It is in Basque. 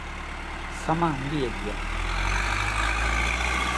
Zama handiegia.